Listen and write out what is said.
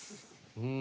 うん。